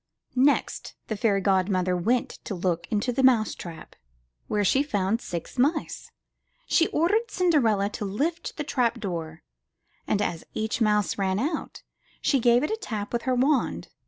Next, the fairy godmother went to look into the mouse trap, where she found six mice. She ordered Cinderella to lift the trap door, and, as each mouse ran out, she gave it a tap with her wand.